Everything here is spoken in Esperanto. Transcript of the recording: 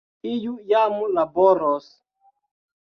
Iu jam laboros!